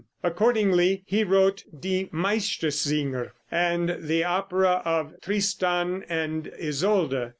Accordingly he wrote "Die Meistersinger," and the opera of "Tristan and Isolde."